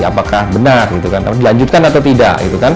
apakah benar dilanjutkan atau tidak